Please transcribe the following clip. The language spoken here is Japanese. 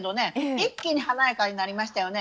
一気に華やかになりましたよね。